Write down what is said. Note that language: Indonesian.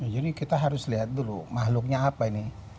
jadi kita harus lihat dulu makhluknya apa ini